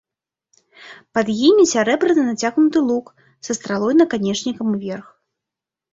Пад імі сярэбраны нацягнуты лук са стралой наканечнікам уверх.